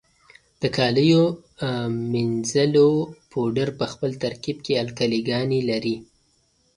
د کالیو منیځلو پوډر په خپل ترکیب کې القلي ګانې لري.